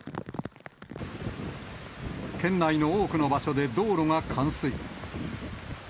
県内の多くの場所で道路が冠水。